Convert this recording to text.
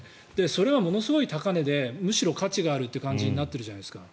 それはものすごい高値でむしろ価値がある感じになっているじゃないですか。